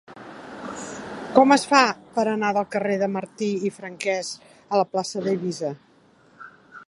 Com es fa per anar del carrer de Martí i Franquès a la plaça d'Eivissa?